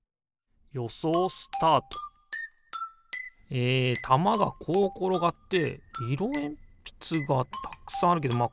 よそうスタート！えたまがこうころがっていろえんぴつがたくさんあるけどま